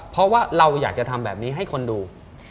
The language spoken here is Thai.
เพราะว่าเราอยากจะทำแบบนี้ให้คนดู